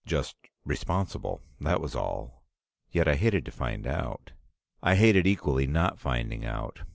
Just responsible; that was all. Yet I hated to find out. I hated equally not finding out.